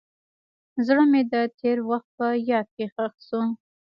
زړه مې د تېر وخت په یاد کې ښخ شو.